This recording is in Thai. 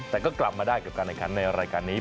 แต่ก็กลับมาได้กับการแข่งขันในรายการนี้